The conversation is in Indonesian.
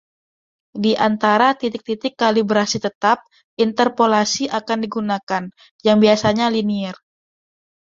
Di antara titik-titik kalibrasi tetap, interpolasi akan digunakan, yang biasanya linier.